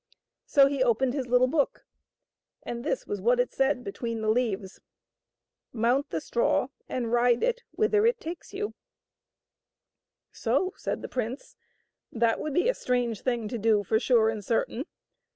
So he opened his little book, and this was what it said between the leaves :" Mount the straw and ride it whither it takes you " So," said the prince ;" that would be a strange thing to do for sure and certain.